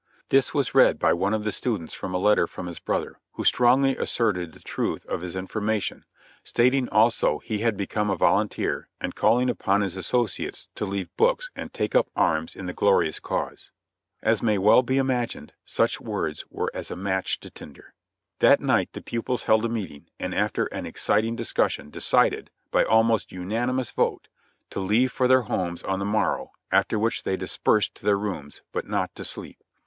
This was read by one of the students from a letter from his brother, who strongly asserted the truth of his information, stat ing also that he had become a volunteer and calling upon his asso ciates to leave books and take up arms in the glorious cause. As may well be imagined, such words were as a match to tinder. That night the pupils held a meeting and after an exciting dis cussion decided, by almost unanimous vote, to leave for their homes on the morrow, after which they dispersed to their rooms, but not to sleep.